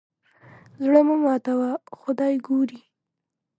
زړه مه ماتوه خدای ګوري.